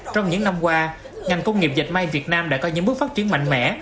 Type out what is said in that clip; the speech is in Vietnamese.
trong những năm qua ngành công nghiệp dệt may việt nam đã có những bước phát triển mạnh mẽ